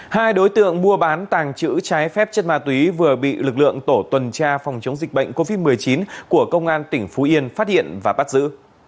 hai đối tượng mua bán tàng trữ trái phép chất ma túy vừa bị lực lượng tổ tuần tra phòng chống dịch bệnh covid một mươi chín của công an tỉnh phú yên phát hiện và bắt giữ